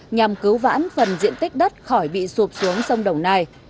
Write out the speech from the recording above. nhằm cứu vãn phần diện tích đất khỏi bị sụp xuống sông đồng nai